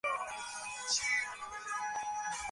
তিনি তাকে ডার্বিশায়ারের পক্ষে খেলার জন্যে সুপারিশ করেছিলেন।